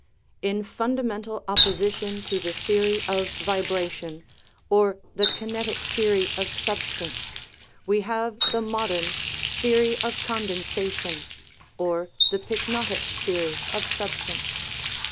In fundamental opposition to the theory of vibra tion, or the kinetic theory of substance, we have the 217 THE RIDDLE OF THE UNIVERSE modern " theory of condensation," or the pyknotic theory of substance.